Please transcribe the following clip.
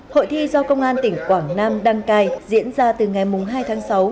hội thi do công an tỉnh quảng nam đăng cai diễn ra từ ngày hai tháng sáu